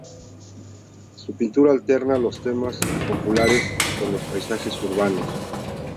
Su pintura alterna los temas populares con los paisajes urbanos.